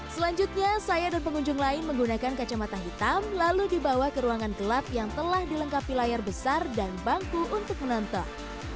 selanjutnya saya dan pengunjung lain menggunakan kacamata hitam lalu dibawa ke ruangan gelap yang telah dilengkapi layar besar dan bangku untuk menonton